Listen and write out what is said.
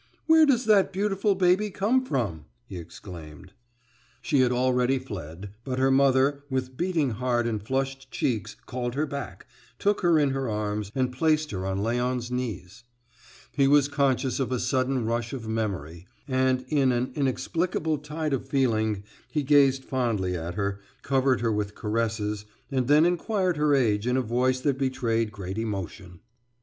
"Where does that beautiful baby come from?" he exclaimed. She had already fled, but her mother, with beating heart and flushed cheeks, called her back, took her in her arms, and placed her on Léon's knees. He was conscious of a sudden rush of memory, and in an inexplicable tide of feeling he gazed fondly at her, covered her with caresses, and then inquired her age in a voice that betrayed great emotion.